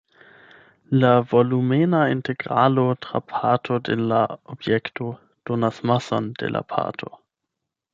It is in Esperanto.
La volumena integralo tra parto de la objekto donas mason de la parto.